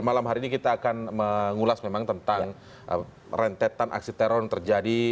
malam hari ini kita akan mengulas memang tentang rentetan aksi teror yang terjadi